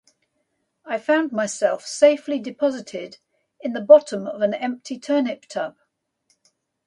I found myself safely deposited in the bottom of an empty turnip tub.